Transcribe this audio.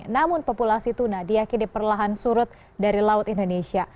namun populasi tuna diakini perlahan surut dari laut indonesia